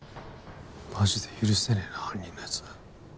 マジで許せねえな犯人のやつ